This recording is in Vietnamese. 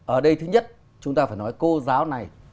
ở đây thứ nhất chúng ta phải nói cô giáo này